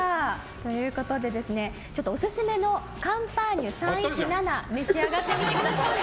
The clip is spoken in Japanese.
ということで、オススメのカンパーニュ３１７を召し上がってみてください。